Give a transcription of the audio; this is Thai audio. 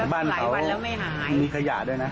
บ้านเขามีขยะด้วยนะ